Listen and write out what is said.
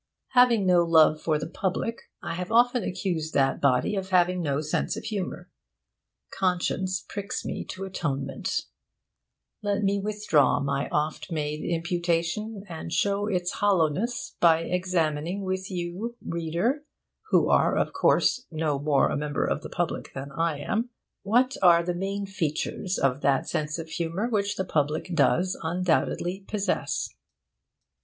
Having no love for the public, I have often accused that body of having no sense of humour. Conscience pricks me to atonement. Let me withdraw my oft made imputation, and show its hollowness by examining with you, reader (who are, of course, no more a member of the public than I am), what are the main features of that sense of humour which the public does undoubtedly possess.